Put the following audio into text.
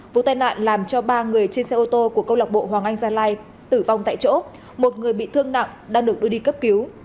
vụ tai nạn làm cho ba người trên xe ô tô của câu lạc bộ hoàng anh gia lai tử vong tại chỗ một người bị thương nặng đang được đưa đi cấp cứu